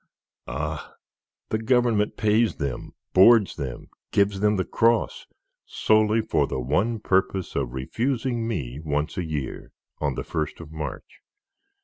"Ah! the government pays them, boards them, gives them the Cross, solely for the one purpose of refusing me once a year, on the 1st of March.